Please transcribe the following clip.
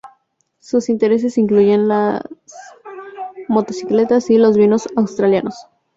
Sus intereses incluyen las motocicletas y los vinos australianos.